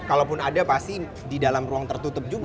kalaupun ada pasti di dalam ruang tertutup juga